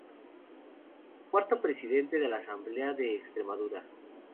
Cuarto presidente de la Asamblea de Extremadura.